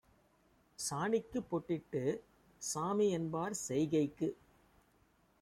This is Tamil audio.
சாணிக்குப் பொட்டிட்டுச் சாமிஎன்பார் செய்கைக்கு